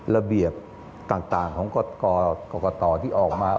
ระเบียบต่างของกรกตที่ออกมา